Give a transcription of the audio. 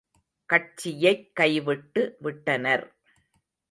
கட்சியைக் கைவிட்டு விட்டனர்.